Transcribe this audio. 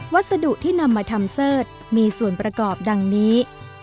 วัสดุที่นำมาทำเสิร์ธมีส่วนประกอบดังนี้